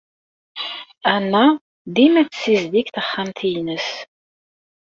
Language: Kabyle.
Anna dima tessizdig taxxamt-nnes.